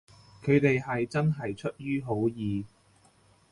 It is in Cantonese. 佢哋係真係出於好意